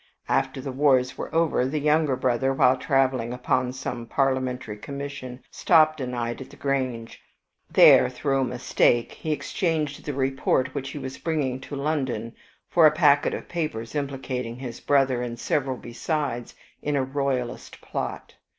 After the wars were over, the younger brother, while traveling upon some parliamentary commission, stopped a night at the Grange. There, through a mistake, he exchanged the report which he was bringing to London for a packet of papers implicating his brother and several besides in a royalist plot.